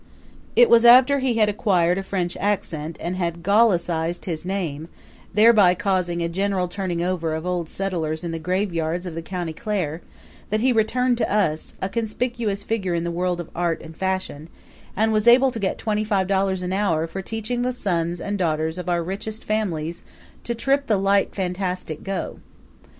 It was after he had acquired a French accent and had Gallicized his name, thereby causing a general turning over of old settlers in the graveyards of the County Clare, that he returned to us, a conspicuous figure in the world of art and fashion, and was able to get twenty five dollars an hour for teaching the sons and daughters of our richest families to trip the light fantastic go.